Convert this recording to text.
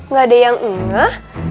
nggak ada yang ngeh